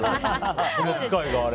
この機械があれば。